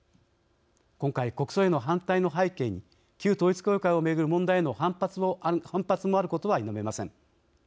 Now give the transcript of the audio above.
今回、国葬への反対の背景に旧統一教会を巡る問題への反発もあることは否めません。